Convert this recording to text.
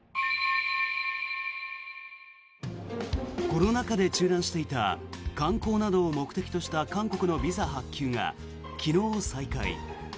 コロナ禍で中断していた観光などを目的とした韓国のビザ発給が昨日、再開。